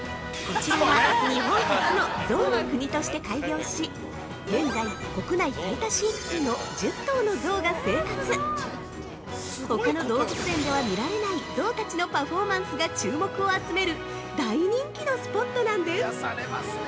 ◆こちらは、日本初のぞうの国として開業し現在国内最多飼育数の１０頭の象が生活他の動物園では見れない象達のパフォーマンスが注目を集める大人気のスポットなんです！